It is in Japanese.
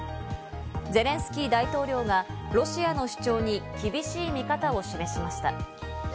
ゼレンスキー大統領がロシアの主張に厳しい見方を示しました。